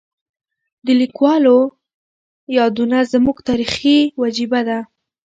د لیکوالو یادونه زموږ تاریخي وجیبه ده.